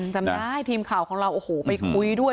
จำได้ทีมข่าวของเราโอ้โหไปคุยด้วย